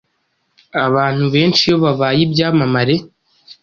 Abantu benshi iyo babaye ibyamamare